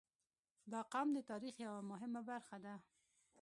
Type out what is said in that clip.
• دا قوم د تاریخ یوه مهمه برخه ده.